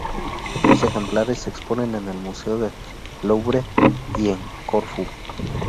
Otros ejemplares se exponen en el museo del Louvre y en Corfú.